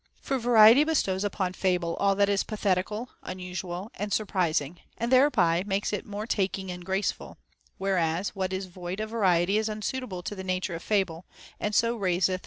For variety bestows upon fable all that is pathetical, unusual, and surprising, and thereby makes it more taking and graceful ; whereas what is void of variety is unsuitable to the nature of fable, and so raiseth no * Eurip.